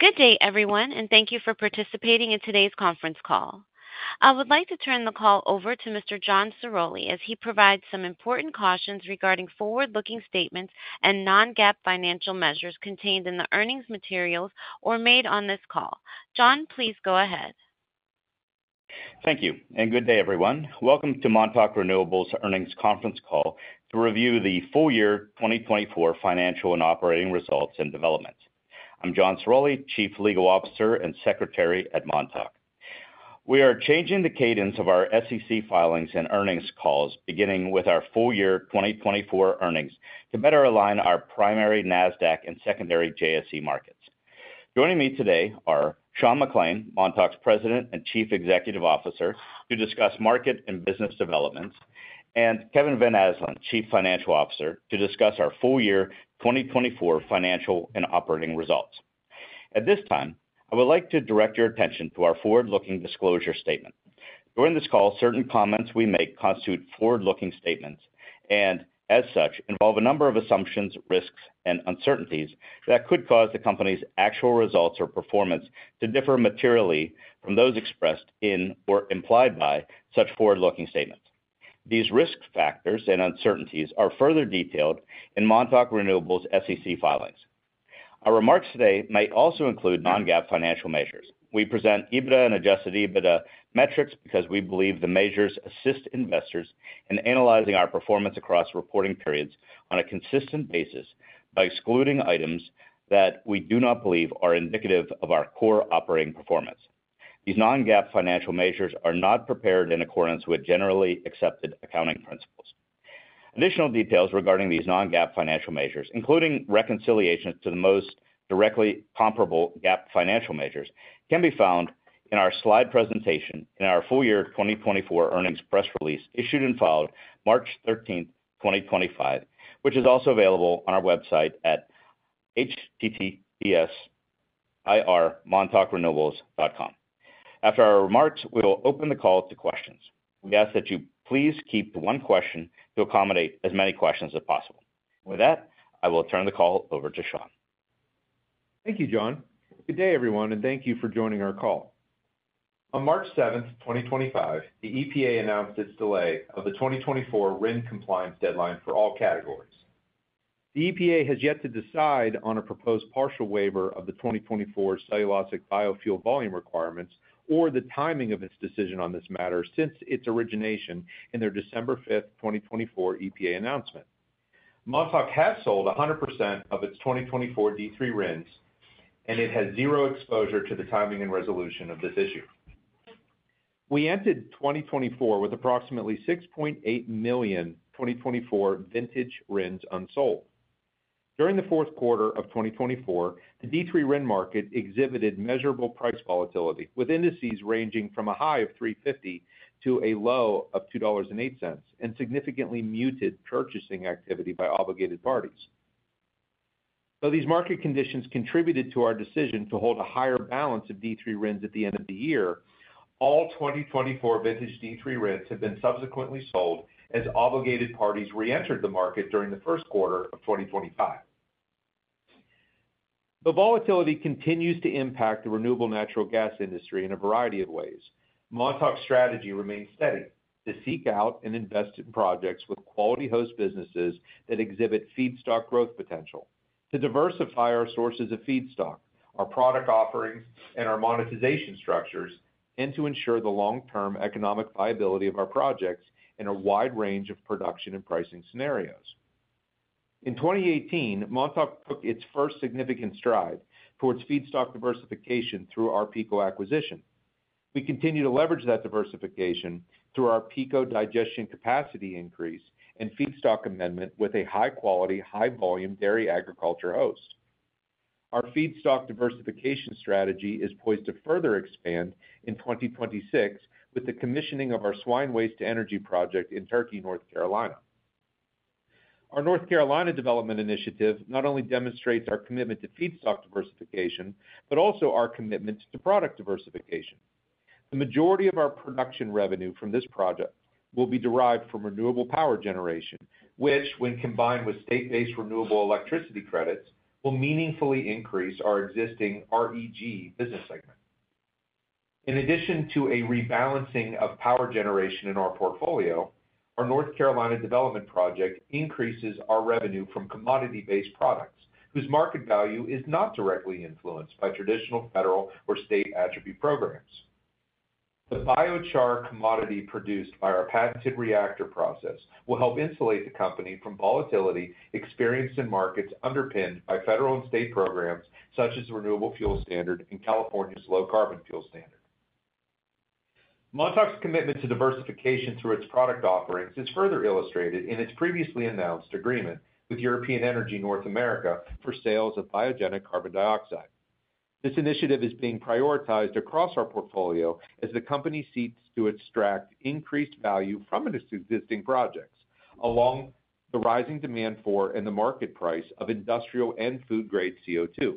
Good day, everyone, and thank you for participating in today's conference call. I would like to turn the call over to Mr. John Ciroli as he provides some important cautions regarding forward-looking statements and non-GAAP financial measures contained in the earnings materials or made on this call. John, please go ahead. Thank you, and good day, everyone. Welcome to Montauk Renewables' earnings conference call to review the full year 2024 financial and operating results and developments. I'm John Ciroli, Chief Legal Officer and Secretary at Montauk. We are changing the cadence of our SEC filings and earnings calls, beginning with our full year 2024 earnings to better align our primary Nasdaq and secondary JSE markets. Joining me today are Sean McClain, Montauk's President and Chief Executive Officer, to discuss market and business developments, and Kevin Van Asdalan, Chief Financial Officer, to discuss our full year 2024 financial and operating results. At this time, I would like to direct your attention to our forward-looking disclosure statement. During this call, certain comments we make constitute forward-looking statements and, as such, involve a number of assumptions, risks, and uncertainties that could cause the company's actual results or performance to differ materially from those expressed in or implied by such forward-looking statements. These risk factors and uncertainties are further detailed in Montauk Renewables' SEC filings. Our remarks today may also include non-GAAP financial measures. We present EBITDA and adjusted EBITDA metrics because we believe the measures assist investors in analyzing our performance across reporting periods on a consistent basis by excluding items that we do not believe are indicative of our core operating performance. These non-GAAP financial measures are not prepared in accordance with generally accepted accounting principles. Additional details regarding these non-GAAP financial measures, including reconciliations to the most directly comparable GAAP financial measures, can be found in our slide presentation in our full year 2024 earnings press release issued and filed March 13th, 2025, which is also available on our website at https://irmontaukrenewables.com. After our remarks, we will open the call to questions. We ask that you please keep to one question to accommodate as many questions as possible. With that, I will turn the call over to Sean. Thank you, John. Good day, everyone, and thank you for joining our call. On March 7th, 2025, the EPA announced its delay of the 2024 RIN compliance deadline for all categories. The EPA has yet to decide on a proposed partial waiver of the 2024 cellulosic biofuel volume requirements or the timing of its decision on this matter since its origination in their December 5th, 2024, EPA announcement. Montauk has sold 100% of its 2024 D3 RINs, and it has zero exposure to the timing and resolution of this issue. We entered 2024 with approximately 6.8 million 2024-vintage RINs unsold. During the fourth quarter of 2024, the D3 RIN market exhibited measurable price volatility with indices ranging from a high of $3.50 to a low of $2.08 and significantly muted purchasing activity by obligated parties. Though these market conditions contributed to our decision to hold a higher balance of D3 RINs at the end of the year, all 2024 vintage D3 RINs have been subsequently sold as obligated parties re-entered the market during the first quarter of 2025. The volatility continues to impact the renewable natural gas industry in a variety of ways. Montauk's strategy remains steady: to seek out and invest in projects with quality host businesses that exhibit feedstock growth potential, to diversify our sources of feedstock, our product offerings, and our monetization structures, and to ensure the long-term economic viability of our projects in a wide range of production and pricing scenarios. In 2018, Montauk took its first significant stride towards feedstock diversification through our Pico acquisition. We continue to leverage that diversification through our Pico digestion capacity increase and feedstock amendment with a high-quality, high-volume dairy agriculture host. Our feedstock diversification strategy is poised to further expand in 2026 with the commissioning of our swine waste to energy project in Turkey, North Carolina. Our North Carolina development initiative not only demonstrates our commitment to feedstock diversification but also our commitment to product diversification. The majority of our production revenue from this project will be derived from renewable power generation, which, when combined with state-based renewable electricity credits, will meaningfully increase our existing REG business segment. In addition to a rebalancing of power generation in our portfolio, our North Carolina development project increases our revenue from commodity-based products whose market value is not directly influenced by traditional federal or state attribute programs. The biochar commodity produced by our patented reactor process will help insulate the company from volatility experienced in markets underpinned by federal and state programs such as the Renewable Fuel Standard and California's Low Carbon Fuel Standard. Montauk's commitment to diversification through its product offerings is further illustrated in its previously announced agreement with European Energy North America for sales of biogenic carbon dioxide. This initiative is being prioritized across our portfolio as the company seeks to extract increased value from its existing projects along the rising demand for and the market price of industrial and food-grade CO2.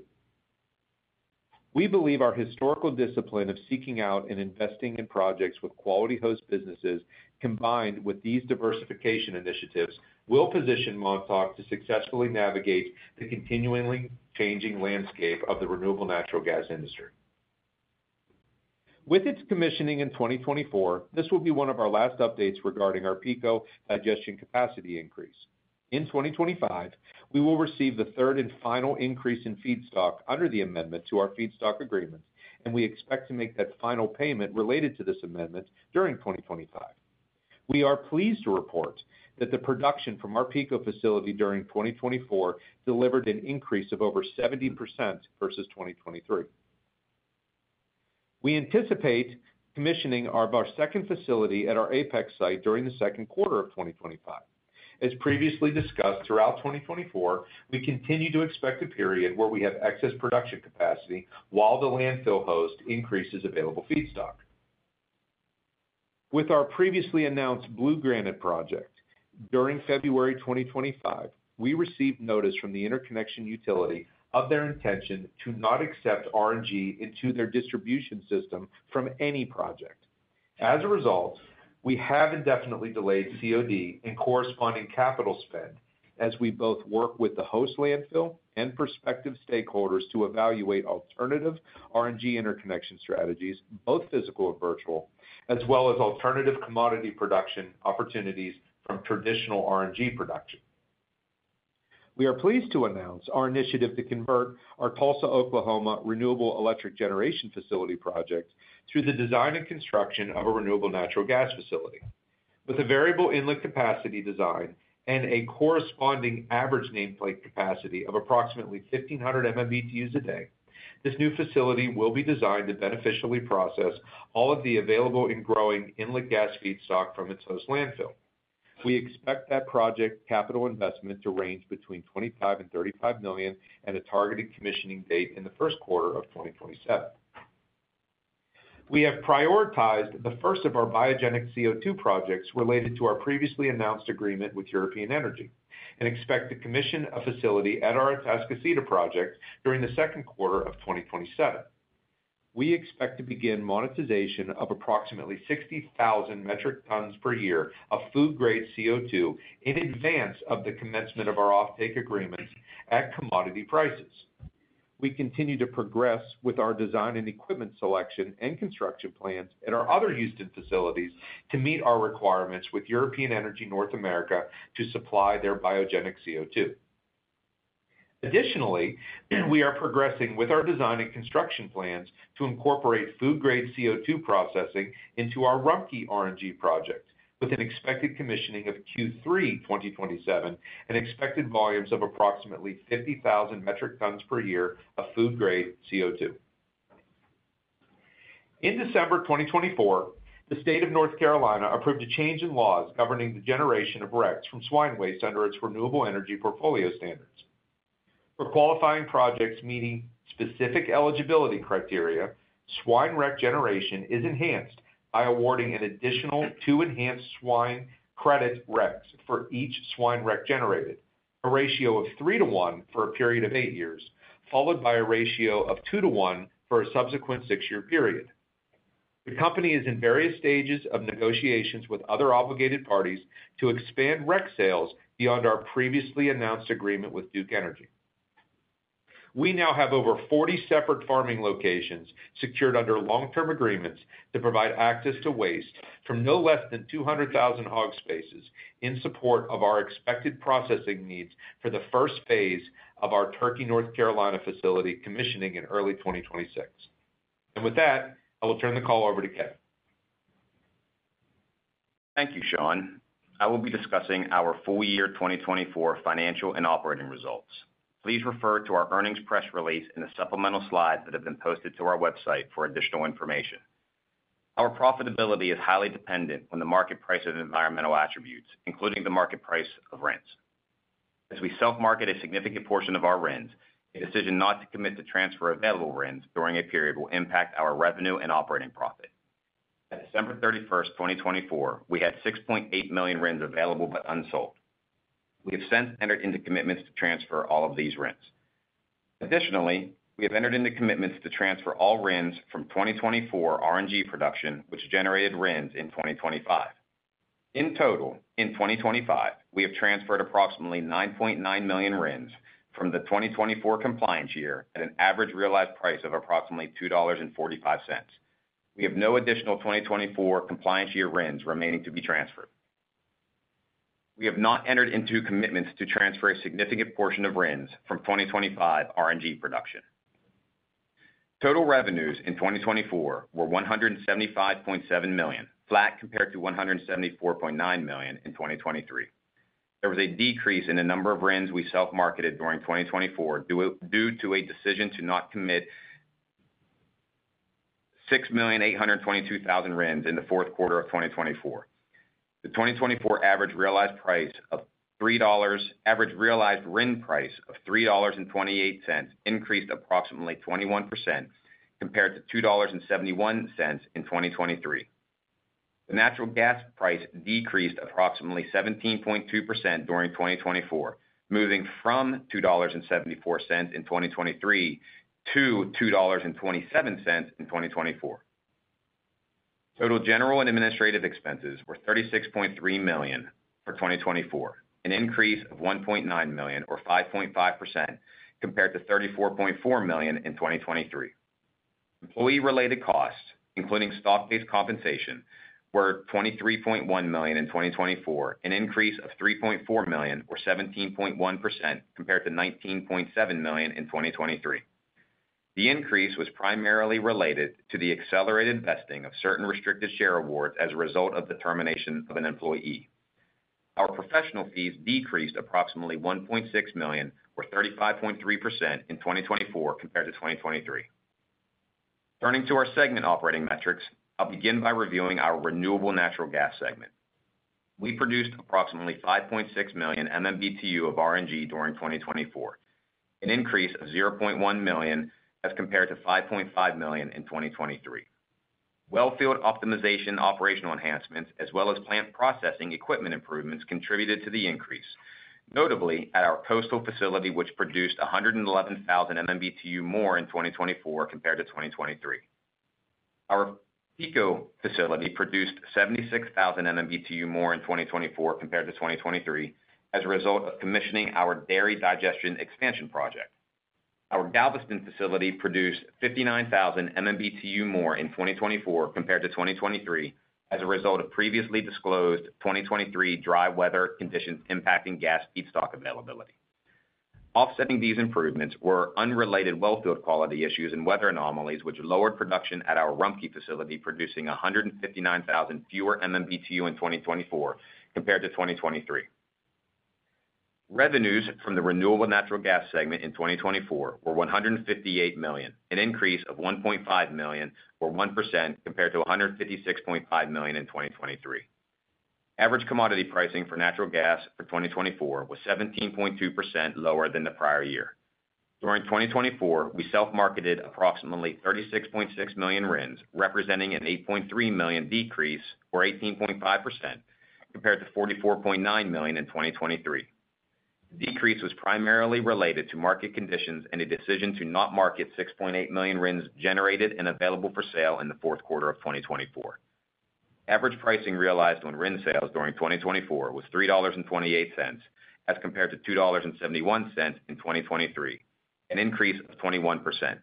We believe our historical discipline of seeking out and investing in projects with quality host businesses combined with these diversification initiatives will position Montauk to successfully navigate the continually changing landscape of the renewable natural gas industry. With its commissioning in 2024, this will be one of our last updates regarding our Pico digestion capacity increase. In 2025, we will receive the third and final increase in feedstock under the amendment to our feedstock agreement, and we expect to make that final payment related to this amendment during 2025. We are pleased to report that the production from our Pico facility during 2024 delivered an increase of over 70% versus 2023. We anticipate commissioning our second facility at our Apex site during the second quarter of 2025. As previously discussed, throughout 2024, we continue to expect a period where we have excess production capacity while the landfill host increases available feedstock. With our previously announced Blue Granite project during February 2025, we received notice from the interconnection utility of their intention to not accept RNG into their distribution system from any project. As a result, we have indefinitely delayed COD and corresponding capital spend as we both work with the host landfill and prospective stakeholders to evaluate alternative RNG interconnection strategies, both physical and virtual, as well as alternative commodity production opportunities from traditional RNG production. We are pleased to announce our initiative to convert our Tulsa, Oklahoma renewable electric generation facility project through the design and construction of a renewable natural gas facility. With a variable inlet capacity design and a corresponding average nameplate capacity of approximately 1,500 MMBTUs a day, this new facility will be designed to beneficially process all of the available and growing inlet gas feedstock from its host landfill. We expect that project capital investment to range between $25 million and $35 million and a targeted commissioning date in the first quarter of 2027. We have prioritized the first of our biogenic CO2 projects related to our previously announced agreement with European Energy and expect to commission a facility at our Atascocita Cedar project during the second quarter of 2027. We expect to begin monetization of approximately 60,000 metric tons per year of food-grade CO2 in advance of the commencement of our offtake agreements at commodity prices. We continue to progress with our design and equipment selection and construction plans at our other Houston facilities to meet our requirements with European Energy North America to supply their biogenic CO2. Additionally, we are progressing with our design and construction plans to incorporate food-grade CO2 processing into our Rumpke RNG project with an expected commissioning of Q3 2027 and expected volumes of approximately 50,000 metric tons per year of food-grade CO2. In December 2024, the state of North Carolina approved a change in laws governing the generation of RECs from swine waste under its renewable energy portfolio standards. For qualifying projects meeting specific eligibility criteria, swine REC generation is enhanced by awarding an additional two enhanced swine credit RECs for each swine REC generated, a ratio of 3/1 for a period of eight years, followed by a ratio of 2/1 for a subsequent six-year period. The company is in various stages of negotiations with other obligated parties to expand REC sales beyond our previously announced agreement with Duke Energy. We now have over 40 separate farming locations secured under long-term agreements to provide access to waste from no less than 200,000 hog spaces in support of our expected processing needs for the first phase of our Turkey, North Carolina facility commissioning in early 2026. With that, I will turn the call over to Kevin. Thank you, Sean. I will be discussing our full year 2024 financial and operating results. Please refer to our earnings press release and the supplemental slides that have been posted to our website for additional information. Our profitability is highly dependent on the market price of environmental attributes, including the market price of RINs. As we self-market a significant portion of our RINs, a decision not to commit to transfer available RINs during a period will impact our revenue and operating profit. At December 31st, 2024, we had 6.8 million RINs available but unsold. We have since entered into commitments to transfer all of these RINs. Additionally, we have entered into commitments to transfer all RINs from 2024 RNG production, which generated RINs in 2025. In total, in 2025, we have transferred approximately 9.9 million RINs from the 2024 compliance year at an average realized price of approximately $2.45. We have no additional 2024 compliance year RINs remaining to be transferred. We have not entered into commitments to transfer a significant portion of RINs from 2025 RNG production. Total revenues in 2024 were $175.7 million, flat compared to $174.9 million in 2023. There was a decrease in the number of RINs we self-marketed during 2024 due to a decision to not commit 6,822,000 RINs in the fourth quarter of 2024. The 2024 average realized price of $3, average realized RIN price of $3.28, increased approximately 21% compared to $2.71 in 2023. The natural gas price decreased approximately 17.2% during 2024, moving from $2.74 in 2023 to $2.27 in 2024. Total general and administrative expenses were $36.3 million for 2024, an increase of $1.9 million or 5.5% compared to $34.4 million in 2023. Employee-related costs, including stock-based compensation, were $23.1 million in 2024, an increase of $3.4 million or 17.1% compared to $19.7 million in 2023. The increase was primarily related to the accelerated vesting of certain restricted share awards as a result of the termination of an employee. Our professional fees decreased approximately $1.6 million or 35.3% in 2024 compared to 2023. Turning to our segment operating metrics, I'll begin by reviewing our renewable natural gas segment. We produced approximately 5.6 million MMBTU of RNG during 2024, an increase of 0.1 million as compared to 5.5 million in 2023. Wellfield optimization operational enhancements, as well as plant processing equipment improvements, contributed to the increase, notably at our Coastal facility, which produced 111,000 MMBTU more in 2024 compared to 2023. Our Pico facility produced 76,000 MMBTU more in 2024 compared to 2023 as a result of commissioning our dairy digestion expansion project. Our Galveston facility produced 59,000 MMBTU more in 2024 compared to 2023 as a result of previously disclosed 2023 dry weather conditions impacting gas feedstock availability. Offsetting these improvements were unrelated wellfield quality issues and weather anomalies, which lowered production at our Rumpke facility, producing 159,000 fewer MMBTU in 2024 compared to 2023. Revenues from the renewable natural gas segment in 2024 were $158 million, an increase of $1.5 million or 1% compared to $156.5 million in 2023. Average commodity pricing for natural gas for 2024 was 17.2% lower than the prior year. During 2024, we self-marketed approximately 36.6 million RINs, representing an 8.3 million decrease or 18.5% compared to 44.9 million in 2023. The decrease was primarily related to market conditions and a decision to not market 6.8 million RINs generated and available for sale in the fourth quarter of 2024. Average pricing realized on RIN sales during 2024 was $3.28 as compared to $2.71 in 2023, an increase of 21%.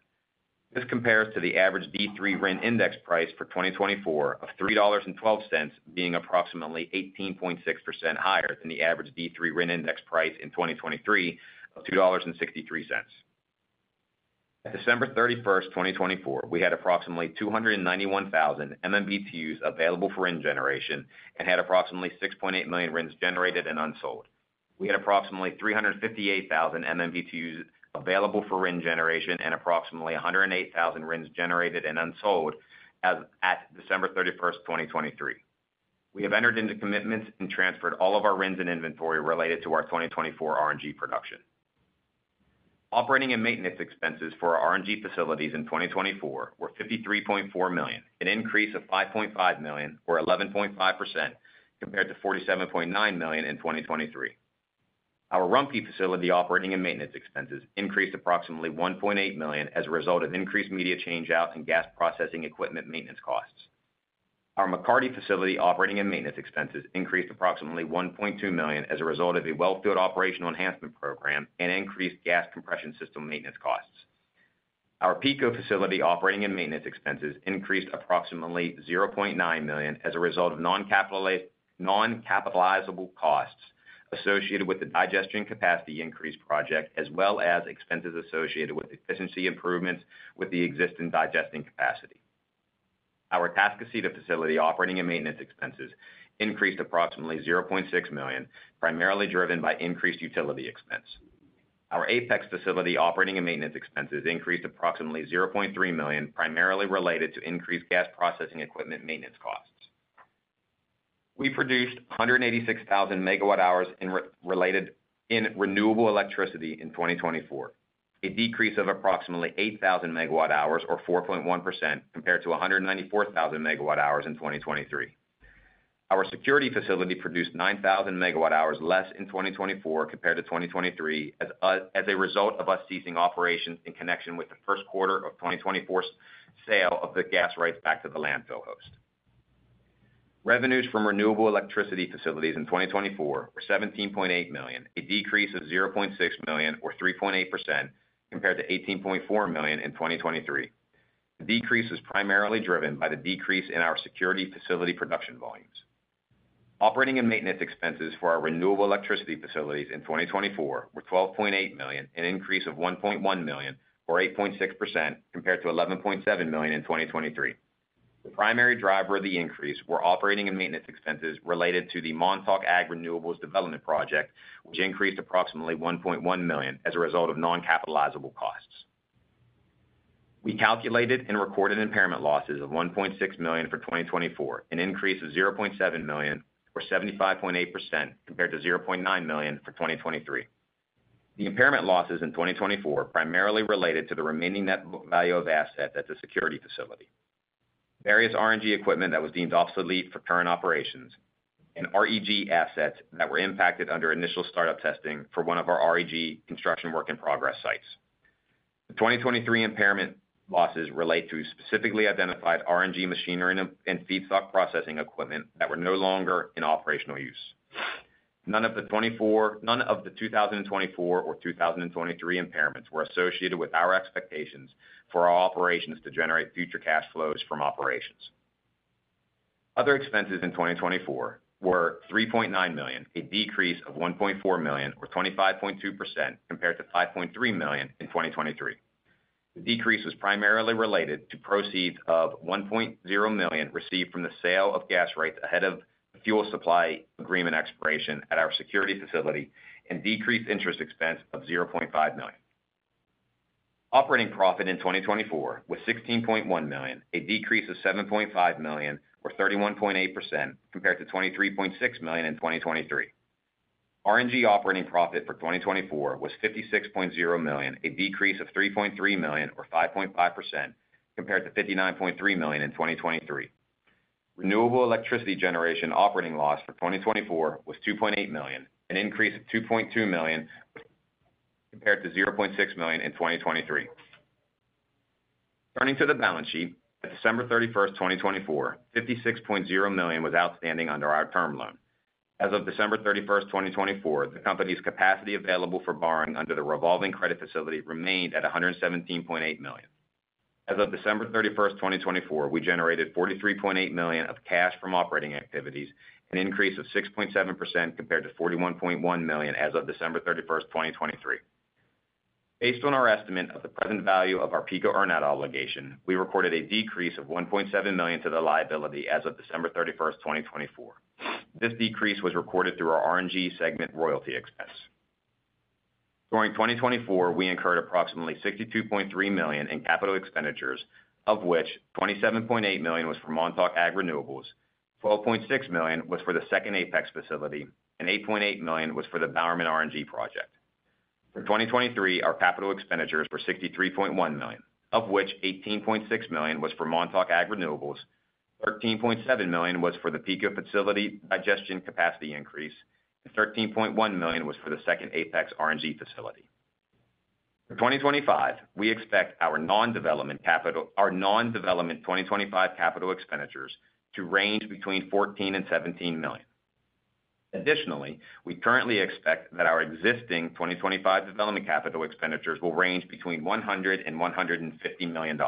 This compares to the average D3 RIN index price for 2024 of $3.12, being approximately 18.6% higher than the average D3 RIN index price in 2023 of $2.63. At December 31st, 2024, we had approximately 291,000 MMBTU available for RIN generation and had approximately 6.8 million RINs generated and unsold. We had approximately 358,000 MMBTU available for RIN generation and approximately 108,000 RINs generated and unsold at December 31st, 2023. We have entered into commitments and transferred all of our RINs and inventory related to our 2024 RNG production. Operating and maintenance expenses for our RNG facilities in 2024 were $53.4 million, an increase of $5.5 million or 11.5% compared to $47.9 million in 2023. Our Rumpke facility operating and maintenance expenses increased approximately $1.8 million as a result of increased media change-out and gas processing equipment maintenance costs. Our McCarty facility operating and maintenance expenses increased approximately $1.2 million as a result of a wellfield operational enhancement program and increased gas compression system maintenance costs. Our Pico facility operating and maintenance expenses increased approximately $0.9 million as a result of non-capitalizable costs associated with the digestion capacity increase project, as well as expenses associated with efficiency improvements with the existing digesting capacity. Our Atascocita Cedar facility operating and maintenance expenses increased approximately $0.6 million, primarily driven by increased utility expense. Our Apex facility operating and maintenance expenses increased approximately $0.3 million, primarily related to increased gas processing equipment maintenance costs. We produced 186,000 MWh in renewable electricity in 2024, a decrease of approximately 8,000 MWh or 4.1% compared to 194,000 MWh in 2023. Our Security facility produced 9,000 MWh less in 2024 compared to 2023 as a result of us ceasing operations in connection with the first quarter of 2024's sale of the gas rights back to the landfill host. Revenues from renewable electricity facilities in 2024 were $17.8 million, a decrease of $0.6 million or 3.8% compared to $18.4 million in 2023. The decrease was primarily driven by the decrease in our Security facility production volumes. Operating and maintenance expenses for our renewable electricity facilities in 2024 were $12.8 million, an increase of $1.1 million or 8.6% compared to $11.7 million in 2023. The primary driver of the increase was operating and maintenance expenses related to the Montauk Ag Renewables development project, which increased approximately $1.1 million as a result of non-capitalizable costs. We calculated and recorded impairment losses of $1.6 million for 2024, an increase of $0.7 million or 75.8% compared to $0.9 million for 2023. The impairment losses in 2024 primarily related to the remaining net value of asset at the Security facility, various RNG equipment that was deemed obsolete for current operations, and REG assets that were impacted under initial startup testing for one of our REG construction work in progress sites. The 2023 impairment losses relate to specifically identified RNG machinery and feedstock processing equipment that were no longer in operational use. None of the 2024 or 2023 impairments were associated with our expectations for our operations to generate future cash flows from operations. Other expenses in 2024 were $3.9 million, a decrease of $1.4 million or 25.2% compared to $5.3 million in 2023. The decrease was primarily related to proceeds of $1.0 million received from the sale of gas rights ahead of the fuel supply agreement expiration at our Security facility and decreased interest expense of $0.5 million. Operating profit in 2024 was $16.1 million, a decrease of $7.5 million or 31.8% compared to $23.6 million in 2023. RNG operating profit for 2024 was $56.0 million, a decrease of $3.3 million or 5.5% compared to $59.3 million in 2023. Renewable electricity generation operating loss for 2024 was $2.8 million, an increase of $2.2 million compared to $0.6 million in 2023. Turning to the balance sheet, at December 31st, 2024, $56.0 million was outstanding under our term loan. As of December 31st, 2024, the company's capacity available for borrowing under the revolving credit facility remained at $117.8 million. As of December 31st, 2024, we generated $43.8 million of cash from operating activities, an increase of 6.7% compared to $41.1 million as of December 31st, 2023. Based on our estimate of the present value of our Pico earn-out obligation, we recorded a decrease of $1.7 million to the liability as of December 31st, 2024. This decrease was recorded through our RNG segment royalty expense. During 2024, we incurred approximately $62.3 million in capital expenditures, of which $27.8 million was for Montauk Ag Renewables, $12.6 million was for the second Apex facility, and $8.8 million was for the Bowerman RNG project. For 2023, our capital expenditures were $63.1 million, of which $18.6 million was for Montauk Ag Renewables, $13.7 million was for the Pico facility digestion capacity increase, and $13.1 million was for the second Apex RNG facility. For 2025, we expect our non-development 2025 capital expenditures to range between $14 million and $17 million. Additionally, we currently expect that our existing 2025 development capital expenditures will range between $100 million and $150 million.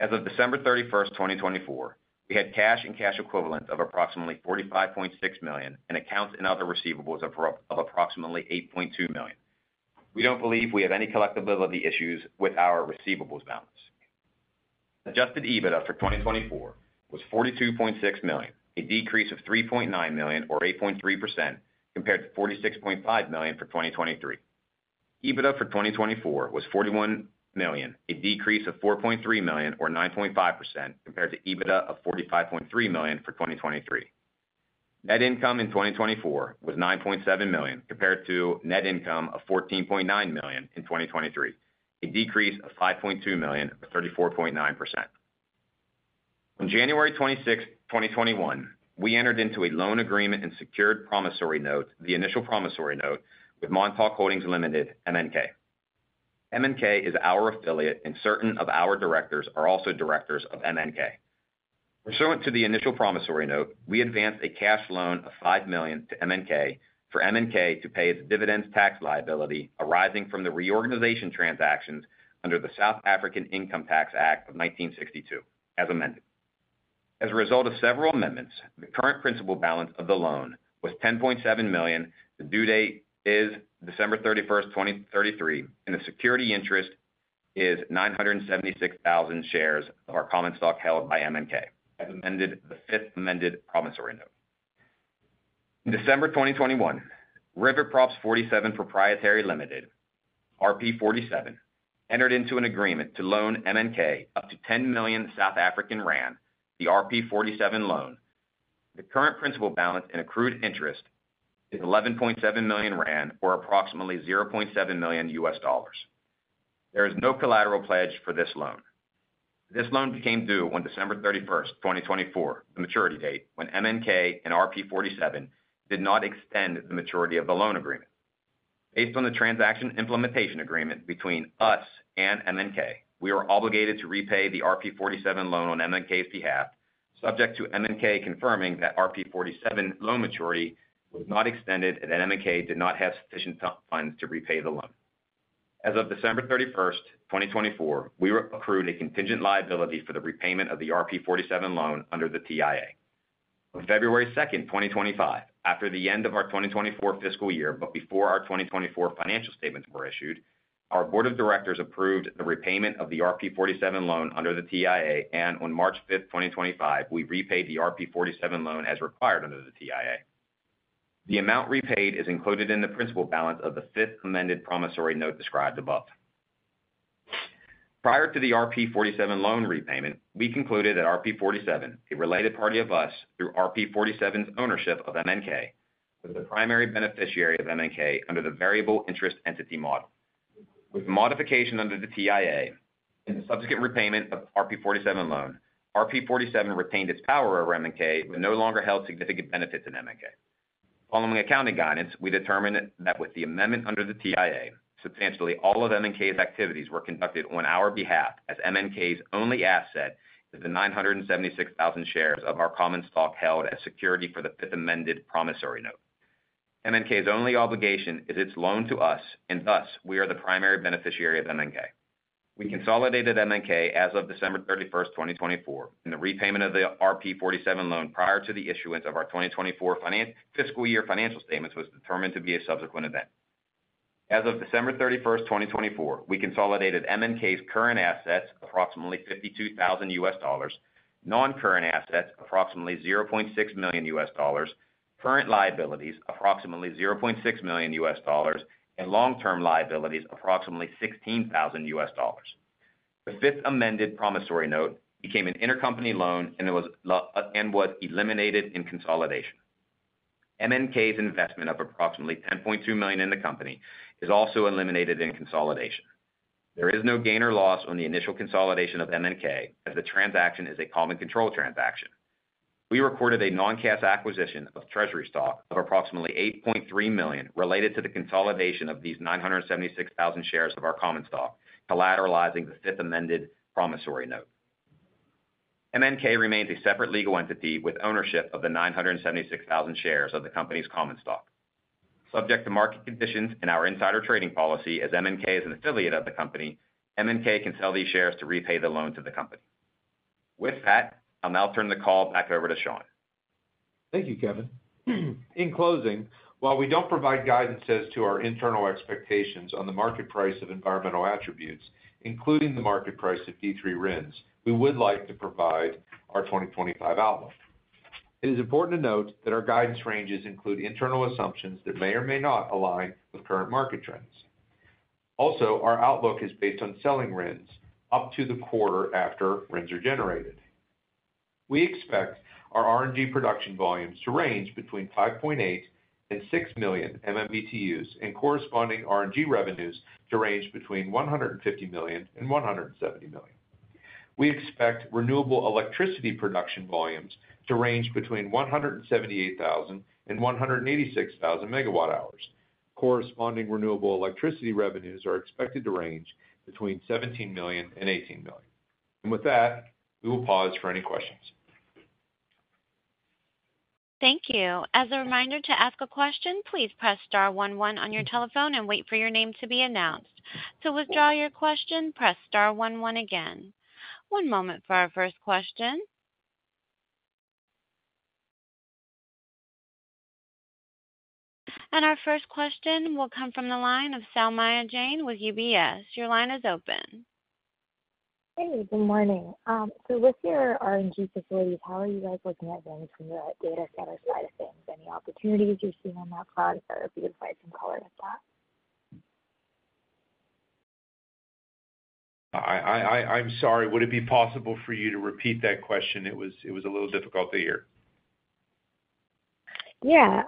As of December 31st, 2024, we had cash and cash equivalents of approximately $45.6 million and accounts and other receivables of approximately $8.2 million. We don't believe we have any collectibility issues with our receivables balance. Adjusted EBITDA for 2024 was $42.6 million, a decrease of $3.9 million or 8.3% compared to $46.5 million for 2023. EBITDA for 2024 was $41 million, a decrease of $4.3 million or 9.5% compared to EBITDA of $45.3 million for 2023. Net income in 2024 was $9.7 million compared to net income of $14.9 million in 2023, a decrease of $5.2 million or 34.9%. On January 26th, 2021, we entered into a loan agreement and secured promissory note, the initial promissory note, with Montauk Holdings Limited, MNK. MNK is our affiliate, and certain of our Directors are also Directors of MNK. Pursuant to the initial promissory note, we advanced a cash loan of $5 million to MNK for MNK to pay its dividends tax liability arising from the reorganization transactions under the South African Income Tax Act of 1962, as amended. As a result of several amendments, the current principal balance of the loan was $10.7 million. The due date is December 31st, 2033, and the security interest is 976,000 shares of our common stock held by MNK, as amended the fifth amended promissory note. In December 2021, River Props 47 Proprietary Limited, RP47, entered into an agreement to loan MNK up to 10 million South African rand, the RP47 loan. The current principal balance and accrued interest is 11.7 million rand or approximately $0.7 million. There is no collateral pledge for this loan. This loan became due on December 31st, 2024, the maturity date, when MNK and RP47 did not extend the maturity of the loan agreement. Based on the transaction implementation agreement between us and MNK, we were obligated to repay the RP47 loan on MNK's behalf, subject to MNK confirming that RP47 loan maturity was not extended and MNK did not have sufficient funds to repay the loan. As of December 31st, 2024, we accrued a contingent liability for the repayment of the RP47 loan under the TIA. On February 2nd, 2025, after the end of our 2024 fiscal year but before our 2024 financial statements were issued, our Board of Directors approved the repayment of the RP47 loan under the TIA, and on March 5th, 2025, we repaid the RP47 loan as required under the TIA. The amount repaid is included in the principal balance of the fifth amended promissory note described above. Prior to the RP47 loan repayment, we concluded that RP47, a related party of us through RP47's ownership of MNK, was the primary beneficiary of MNK under the variable interest entity model. With modification under the TIA and the subsequent repayment of the RP47 loan, RP47 retained its power over MNK, but no longer held significant benefits in MNK. Following accounting guidance, we determined that with the amendment under the TIA, substantially all of MNK's activities were conducted on our behalf as MNK's only asset is the 976,000 shares of our common stock held as security for the fifth amended promissory note. MNK's only obligation is its loan to us, and thus we are the primary beneficiary of MNK. We consolidated MNK as of December 31st, 2024, and the repayment of the RP47 loan prior to the issuance of our 2024 fiscal year financial statements was determined to be a subsequent event. As of December 31st, 2024, we consolidated MNK's current assets approximately $52,000, non-current assets approximately $600,000, current liabilities approximately $600,000, and long-term liabilities approximately $16,000. The fifth amended promissory note became an intercompany loan and was eliminated in consolidation. MNK's investment of approximately $10.2 million in the company is also eliminated in consolidation. There is no gain or loss on the initial consolidation of MNK as the transaction is a common control transaction. We recorded a non-cash acquisition of treasury stock of approximately $8.3 million related to the consolidation of these 976,000 shares of our common stock, collateralizing the fifth amended promissory note. MNK remains a separate legal entity with ownership of the 976,000 shares of the company's common stock. Subject to market conditions and our insider trading policy, as MNK is an affiliate of the company, MNK can sell these shares to repay the loan to the company. With that, I'll now turn the call back over to Sean. Thank you, Kevin. In closing, while we don't provide guidance as to our internal expectations on the market price of environmental attributes, including the market price of D3 RINs, we would like to provide our 2025 outlook. It is important to note that our guidance ranges include internal assumptions that may or may not align with current market trends. Also, our outlook is based on selling RINs up to the quarter after RINs are generated. We expect our RNG production volumes to range between 5.8 million and 6 million MMBTUs and corresponding RNG revenues to range between $150 million and $170 million. We expect renewable electricity production volumes to range between 178,000 MWh and 186,000 MWh. Corresponding renewable electricity revenues are expected to range between $17 million and $18 million. With that, we will pause for any questions. Thank you. As a reminder to ask a question, please press star one one on your telephone and wait for your name to be announced. To withdraw your question, press star one one again. One moment for our first question. Our first question will come from the line of Saumya Jain with UBS. Your line is open. Hey, good morning. With your RNG facilities, how are you guys looking at things from the data center side of things? Any opportunities you're seeing on that cloud if there would be, bring some color with that? I'm sorry, would it be possible for you to repeat that question? It was a little difficult to hear. Yeah.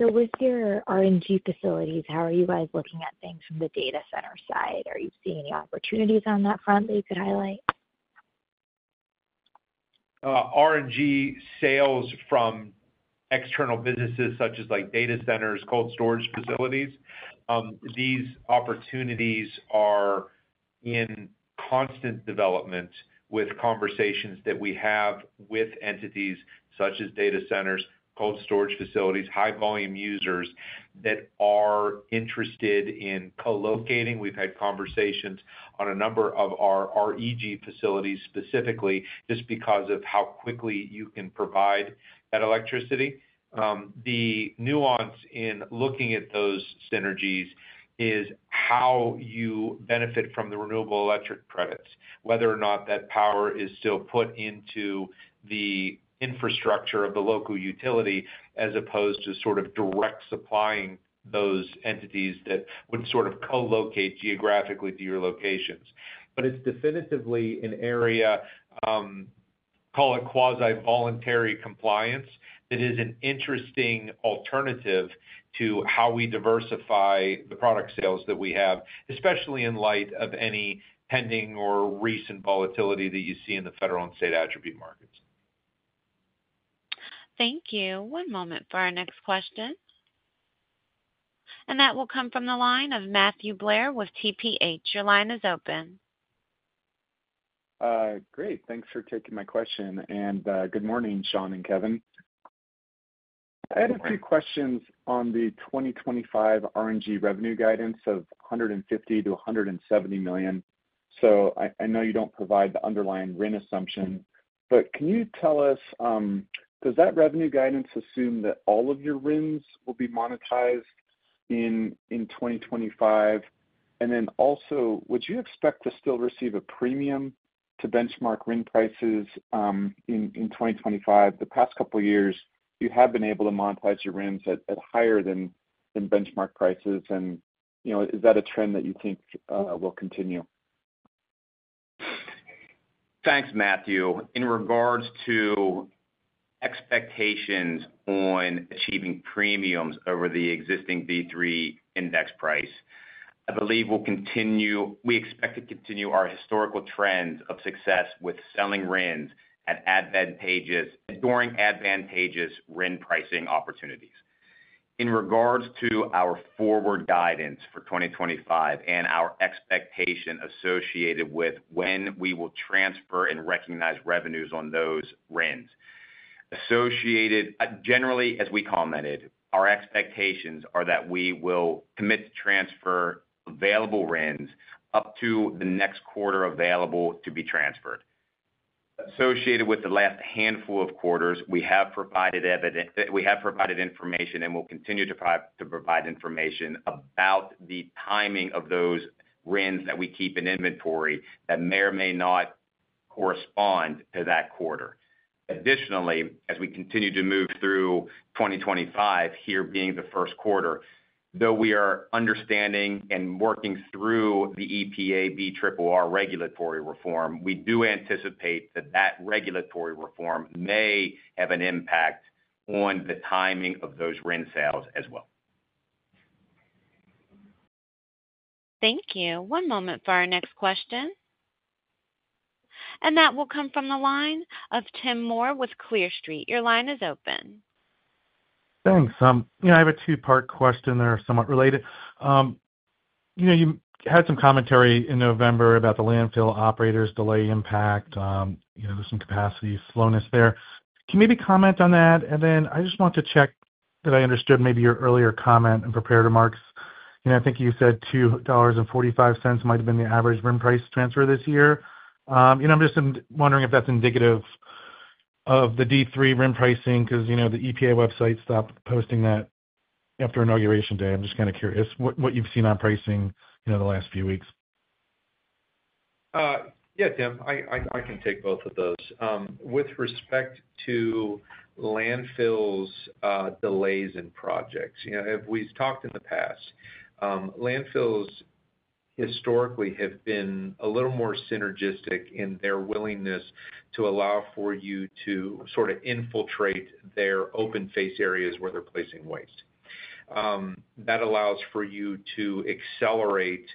With your RNG facilities, how are you guys looking at things from the data center side? Are you seeing any opportunities on that front that you could highlight? RNG sales from external businesses such as data centers, cold storage facilities, these opportunities are in constant development with conversations that we have with entities such as data centers, cold storage facilities, high-volume users that are interested in co-locating. We've had conversations on a number of our RNG facilities specifically just because of how quickly you can provide that electricity. The nuance in looking at those synergies is how you benefit from the renewable electric credits, whether or not that power is still put into the infrastructure of the local utility as opposed to sort of direct supplying those entities that would sort of co-locate geographically to your locations. But it's definitively an area, call it quasi-voluntary compliance, that is an interesting alternative to how we diversify the product sales that we have, especially in light of any pending or recent volatility that you see in the federal and state attribute markets. Thank you. One moment for our next question. That will come from the line of Matthew Blair with TPH. Your line is open. Great. Thanks for taking my question. Good morning, Sean and Kevin. I had a few questions on the 2025 RNG revenue guidance of $150 million-$170 million. I know you don't provide the underlying RIN assumption, but can you tell us, does that revenue guidance assume that all of your RINs will be monetized in 2025? Also, would you expect to still receive a premium to benchmark RIN prices in 2025? The past couple of years, you have been able to monetize your RINs at higher than benchmark prices. Is that a trend that you think will continue? Thanks, Matthew. In regards to expectations on achieving premiums over the existing D3 index price, I believe we will continue—we expect to continue our historical trend of success with selling RINs at advantageous RIN pricing opportunities. In regards to our forward guidance for 2025 and our expectation associated with when we will transfer and recognize revenues on those RINs, generally, as we commented, our expectations are that we will commit to transfer available RINs up to the next quarter available to be transferred. Associated with the last handful of quarters, we have provided information and will continue to provide information about the timing of those RINs that we keep in inventory that may or may not correspond to that quarter. Additionally, as we continue to move through 2025, here being the first quarter, though we are understanding and working through the EPA regulatory reform, we do anticipate that that regulatory reform may have an impact on the timing of those RIN sales as well. Thank you. One moment for our next question. That will come from the line of Tim Moore with Clear Street. Your line is open. Thanks. I have a two-part question. They're somewhat related. You had some commentary in November about the landfill operators' delay impact, there's some capacity slowness there. Can you maybe comment on that? I just want to check that I understood maybe your earlier comment and prepared remarks. I think you said $2.45 might have been the average RIN price transfer this year. I'm just wondering if that's indicative of the D3 RIN pricing because the EPA website stopped posting that after Inauguration Day. I'm just kind of curious what you've seen on pricing the last few weeks. Yeah, Tim, I can take both of those. With respect to landfills' delays in projects, we've talked in the past. Landfills historically have been a little more synergistic in their willingness to allow for you to sort of infiltrate their open face areas where they're placing waste. That allows for you to accelerate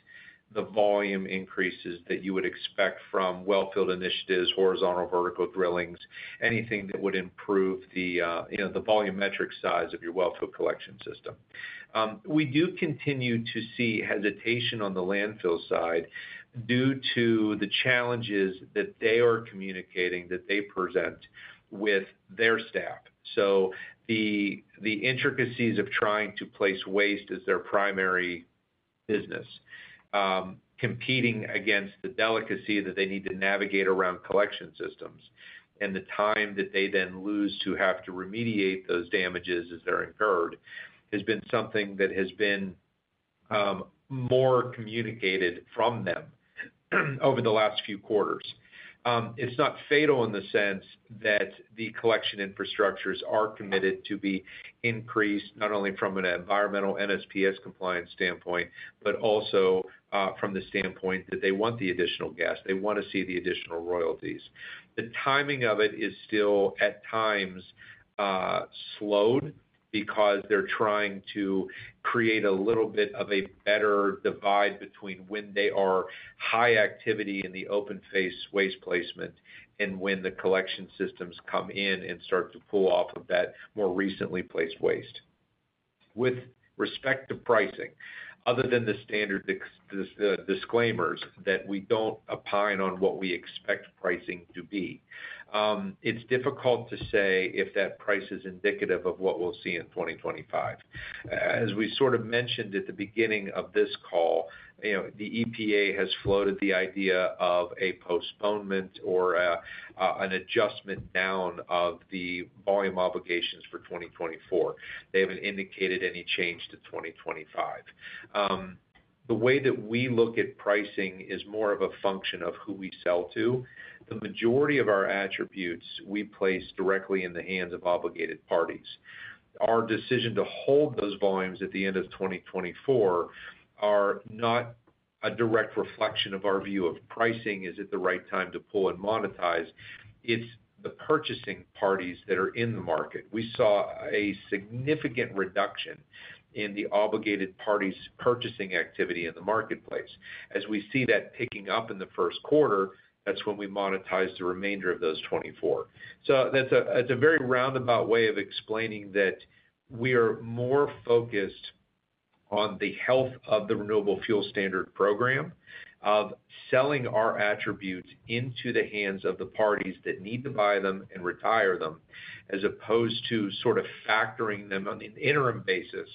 the volume increases that you would expect from well-filled initiatives, horizontal vertical drillings, anything that would improve the volumetric size of your well-filled collection system. We do continue to see hesitation on the landfill side due to the challenges that they are communicating that they present with their staff. The intricacies of trying to place waste as their primary business, competing against the delicacy that they need to navigate around collection systems, and the time that they then lose to have to remediate those damages as they're incurred has been something that has been more communicated from them over the last few quarters. It's not fatal in the sense that the collection infrastructures are committed to be increased not only from an environmental NSPS compliance standpoint, but also from the standpoint that they want the additional gas. They want to see the additional royalties. The timing of it is still at times slowed because they're trying to create a little bit of a better divide between when they are high activity in the open face waste placement and when the collection systems come in and start to pull off of that more recently placed waste. With respect to pricing, other than the standard disclaimers that we don't opine on what we expect pricing to be, it's difficult to say if that price is indicative of what we'll see in 2025. As we sort of mentioned at the beginning of this call, the EPA has floated the idea of a postponement or an adjustment down of the volume obligations for 2024. They haven't indicated any change to 2025. The way that we look at pricing is more of a function of who we sell to. The majority of our attributes, we place directly in the hands of obligated parties. Our decision to hold those volumes at the end of 2024 are not a direct reflection of our view of pricing: is it the right time to pull and monetize? It's the purchasing parties that are in the market. We saw a significant reduction in the obligated parties' purchasing activity in the marketplace. As we see that picking up in the first quarter, that's when we monetize the remainder of those 24. So that's a very roundabout way of explaining that we are more focused on the health of the Renewable Fuel Standard program of selling our attributes into the hands of the parties that need to buy them and retire them, as opposed to sort of factoring them on an interim basis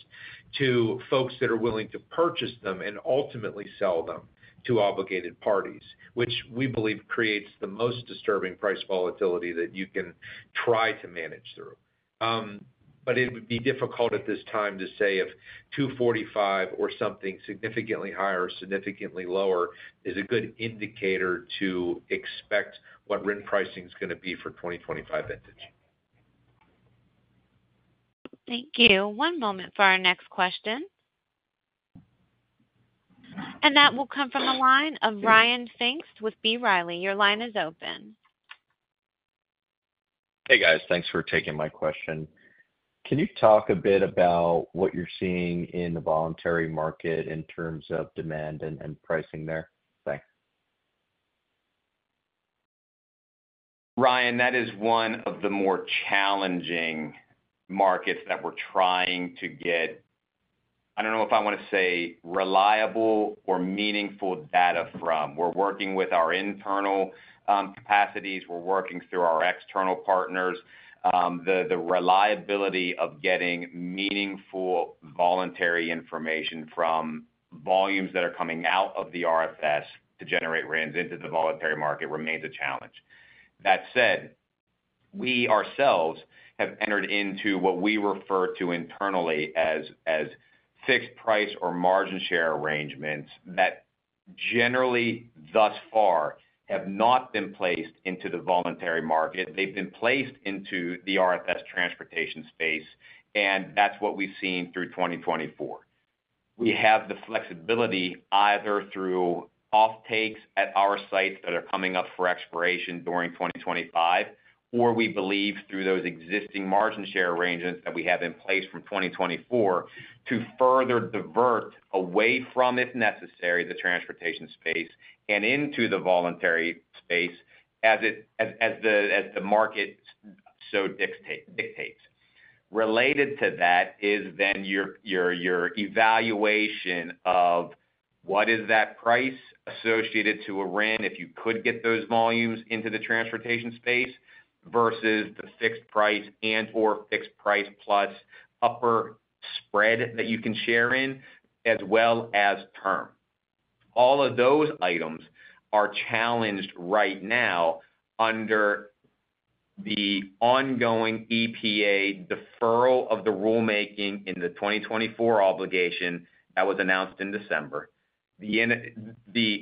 to folks that are willing to purchase them and ultimately sell them to obligated parties, which we believe creates the most disturbing price volatility that you can try to manage through. It would be difficult at this time to say if 245 or something significantly higher or significantly lower is a good indicator to expect what RIN pricing is going to be for 2025 vintage. Thank you. One moment for our next question. That will come from the line of Ryan Pfingst with B. Riley. Your line is open. Hey, guys. Thanks for taking my question. Can you talk a bit about what you're seeing in the voluntary market in terms of demand and pricing there? Thanks. Ryan, that is one of the more challenging markets that we're trying to get, I don't know if I want to say reliable or meaningful data from. We're working with our internal capacities. We're working through our external partners. The reliability of getting meaningful voluntary information from volumes that are coming out of the RFS to generate RINs into the voluntary market remains a challenge. That said, we ourselves have entered into what we refer to internally as fixed price or margin share arrangements that generally thus far have not been placed into the voluntary market. They've been placed into the RFS transportation space, and that's what we've seen through 2024. We have the flexibility either through offtakes at our sites that are coming up for expiration during 2025, or we believe through those existing margin share arrangements that we have in place from 2024 to further divert away from, if necessary, the transportation space and into the voluntary space as the market so dictates. Related to that is then your evaluation of what is that price associated to a RIN if you could get those volumes into the transportation space versus the fixed price and/or fixed price plus upper spread that you can share in, as well as term. All of those items are challenged right now under the ongoing EPA deferral of the rulemaking in the 2024 obligation that was announced in December. The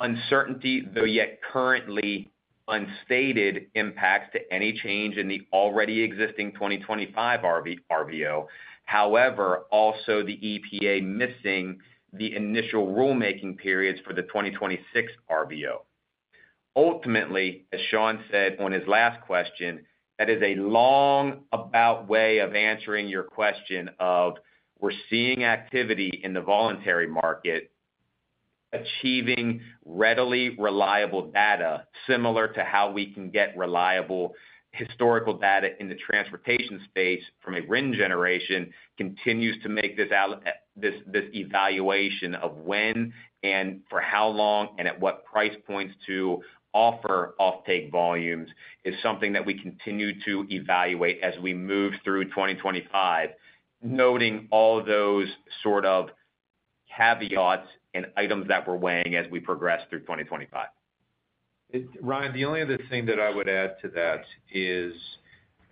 uncertainty, though yet currently unstated, impacts to any change in the already existing 2025 RVO. However, also the EPA missing the initial rulemaking periods for the 2026 RVO. Ultimately, as Sean said on his last question, that is a long-about way of answering your question of we're seeing activity in the voluntary market, achieving readily reliable data similar to how we can get reliable historical data in the transportation space from a RIN generation continues to make this evaluation of when and for how long and at what price points to offer offtake volumes is something that we continue to evaluate as we move through 2025, noting all those sort of caveats and items that we're weighing as we progress through 2025. Ryan, the only other thing that I would add to that is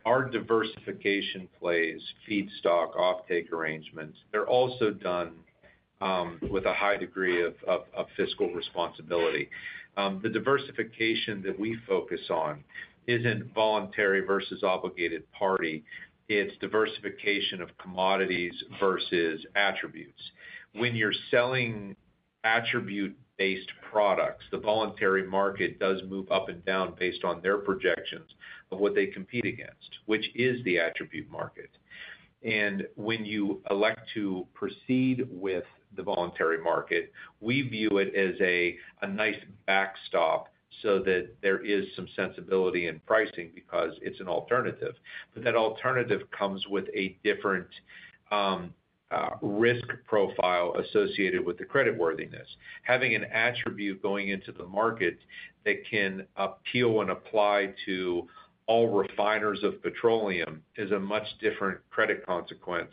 our diversification plays feedstock offtake arrangements. They're also done with a high degree of fiscal responsibility. The diversification that we focus on isn't voluntary versus obligated party. It's diversification of commodities versus attributes. When you're selling attribute-based products, the voluntary market does move up and down based on their projections of what they compete against, which is the attribute market. When you elect to proceed with the voluntary market, we view it as a nice backstop so that there is some sensibility in pricing because it's an alternative. That alternative comes with a different risk profile associated with the creditworthiness. Having an attribute going into the market that can appeal and apply to all refiners of petroleum is a much different credit consequence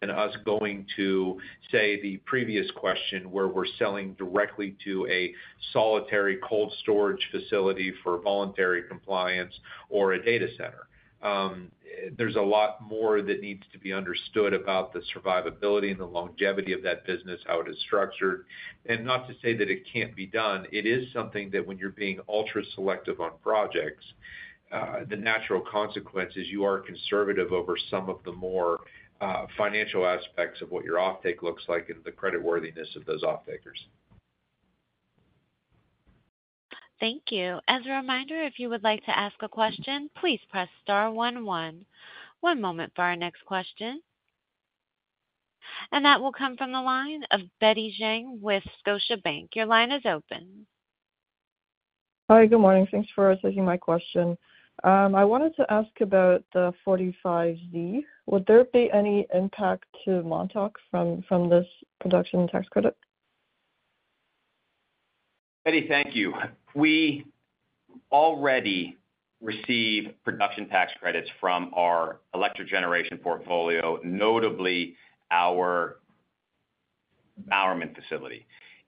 than us going to, say, the previous question where we're selling directly to a solitary cold storage facility for voluntary compliance or a data center. There's a lot more that needs to be understood about the survivability and the longevity of that business, how it is structured. Not to say that it can't be done. It is something that when you're being ultra-selective on projects, the natural consequence is you are conservative over some of the more financial aspects of what your offtake looks like and the creditworthiness of those offtakers. Thank you. As a reminder, if you would like to ask a question, please press star one one. One moment for our next question. That will come from the line of Betty [Zhang] with Scotiabank. Your line is open. Hi, good morning. Thanks for raising my question. I wanted to ask about the 45Z. Would there be any impact to Montauk from this production tax credit? Betty, thank you. We already receive production tax credits from our electric generation portfolio, notably our Bowerman facility.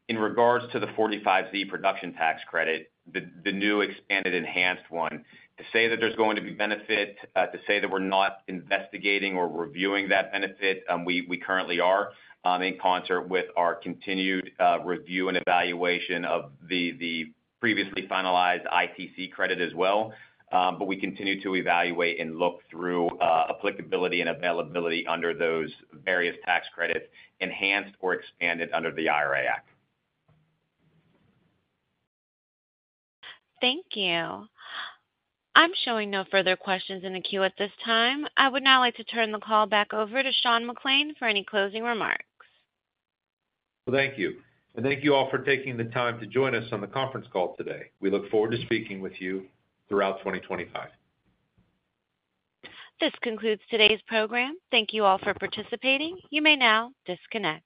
In regards to the 45Z production tax credit, the new expanded enhanced one, to say that there's going to be benefit, to say that we're not investigating or reviewing that benefit, we currently are in concert with our continued review and evaluation of the previously finalized ITC credit as well. We continue to evaluate and look through applicability and availability under those various tax credits enhanced or expanded under the IRA Act. Thank you. I'm showing no further questions in the queue at this time. I would now like to turn the call back over to Sean McClain for any closing remarks. Thank you. Thank you all for taking the time to join us on the conference call today. We look forward to speaking with you throughout 2025. This concludes today's program. Thank you all for participating. You may now disconnect.